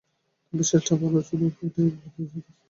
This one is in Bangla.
তবে শেষটা ভালো চলুক এটাই দেশবাসীর প্রত্যাশা।